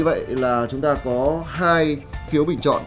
như vậy là chúng ta có hai phiếu bình chọn